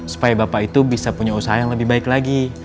supaya bapak itu bisa punya usaha yang lebih baik lagi